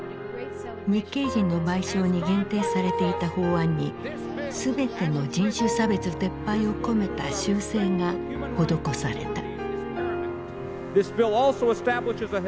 日系人の賠償に限定されていた法案にすべての人種差別撤廃を込めた修正が施された。